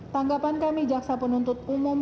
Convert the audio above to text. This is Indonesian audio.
tanggapan kami jaksa penuntut umum